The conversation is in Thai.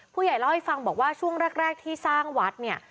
ผู้ใหญ่เล่าให้ฟังบอกว่าช่วงแรกที่สร้างวัดเนี่ย